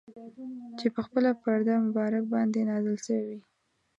چي پخپله پر ده مبارک باندي نازل سوی وو.